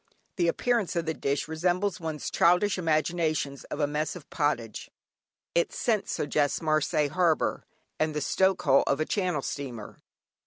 The appearance of the dish resembles one's childish imaginations of a "Mess of Pottage." Its scent suggests Marseilles harbour, and the stoke hole of a Channel steamer.